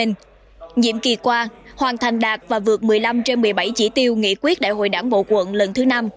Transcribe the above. nhiệm kỳ qua hoàn thành đạt và vượt một mươi năm trên một mươi bảy chỉ tiêu nghị quyết đại hội đảng bộ quận lần thứ năm